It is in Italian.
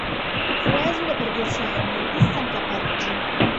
Fu esule per dieci anni e visse anche a Parigi.